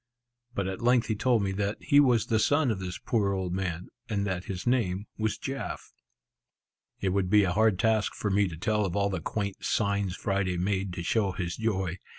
But at length he told me that he was the son of this poor old man, and that his name was Jaf. It would be a hard task for me to tell of all the quaint, signs Friday made to show his joy.